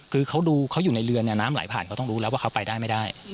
คือเขาดูเขาอยู่ในเรือเนี่ยน้ำไหลผ่านเขาต้องรู้แล้วว่าเขาไปได้ไม่ได้